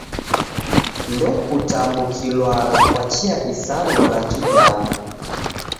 Ndokutambukilwagha kwa chia isanu ra kidamu.